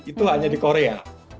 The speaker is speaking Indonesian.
itu hanya di korea